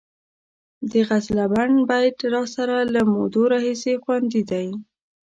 د غزلبڼ بیت راسره له مودو راهیسې خوندي دی.